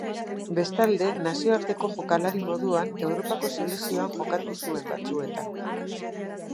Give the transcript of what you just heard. Bestalde, nazioarteko jokalari moduan Europako Selekzioan jokatu zuen batzuetan.